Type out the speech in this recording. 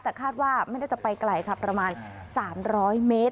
แต่คาดว่าไม่น่าจะไปไกลค่ะประมาณ๓๐๐เมตร